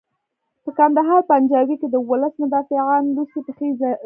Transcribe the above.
په کندهار پنجوايي کې د ولس مدافعان لوڅې پښې ځغلي.